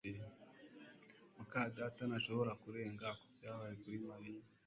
muka data ntashobora kurenga kubyabaye kuri Mariya